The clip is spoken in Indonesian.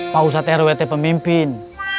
pak ustadz rw pemimpin